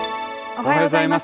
おはようございます。